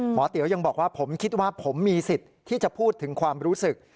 เตี๋ยวยังบอกว่าผมคิดว่าผมมีสิทธิ์ที่จะพูดถึงความรู้สึก